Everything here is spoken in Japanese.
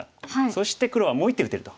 そして黒はもう１手打てると。